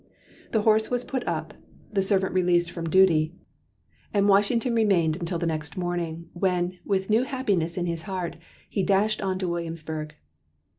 The horse was put up, the servant released from duty, and Washington remained until the next morning, when, with new happiness in his heart, he dashed on to Williamsburg.